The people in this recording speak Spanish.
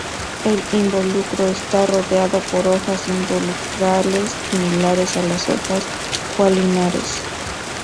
El involucro está rodeado por hojas involucrales similares a las hojas caulinares.